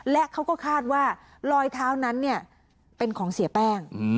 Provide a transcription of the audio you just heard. และเขาก็คาดว่ารอยเท้านั้นเป็นของเสียแป้ง